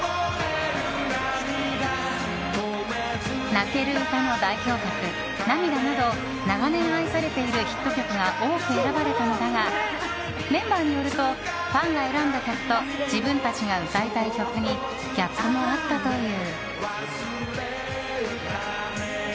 泣ける歌の代表曲「涙」など長年愛されているヒット曲が多く選ばれたのだがメンバーによるとファンが選んだ曲と自分たちが歌いたい曲にギャップもあったという。